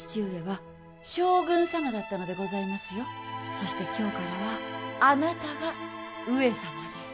そして今日からはあなたが上様です。